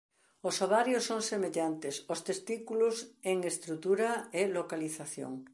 Os ovarios son semellantes aos testículos en estrutura e localización.